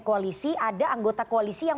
koalisi ada anggota koalisi yang